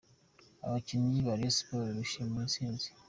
Abakinnyi ba Rayon Sports bishimira intsinzi .